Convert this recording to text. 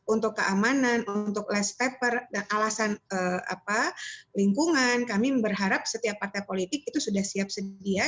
untuk keamanan untuk last paper dan alasan lingkungan kami berharap setiap partai politik itu sudah siap sedia